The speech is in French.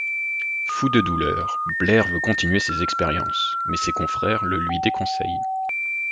Fou de douleur, Blair veut continuer ses expériences, mais ses confrères le lui déconseillent.